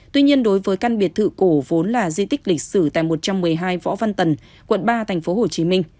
tuy nhiên đối với căn biệt thự cổ vốn là di tích lịch sử tại một trăm một mươi hai võ văn tần quận ba tp hcm